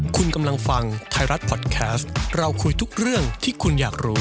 คุณกำลังฟังไทยรัฐพอดแคสต์เราคุยทุกเรื่องที่คุณอยากรู้